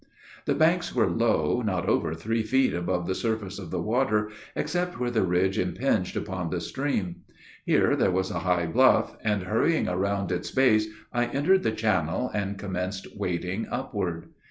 The banks were low, not over three feet above the surface of the water, except where the ridge impinged upon the stream. Here there was a high bluff; and, hurrying around its base, I entered the channel, and commenced wading upward.